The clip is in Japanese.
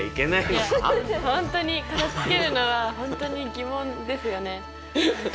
本当に片づけるのは本当に疑問ですよね。